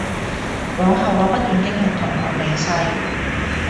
往後我不斷經歷同學離世